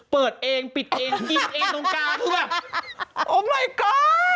เปิดเองปิดเองกินเองตรงกลางคือแบบอมวายกอ